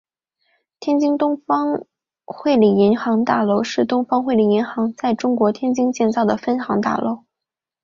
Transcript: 天津东方汇理银行大楼是东方汇理银行在中国天津建造的分行大楼。